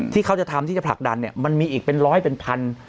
ที่เขาจะทำที่จะผลักดันเนี่ยมันมีอีกเป็นร้อยเป็นพัน